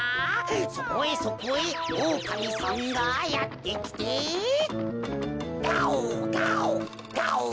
そこへそこへおおかみさんがやってきてガオガオガオ！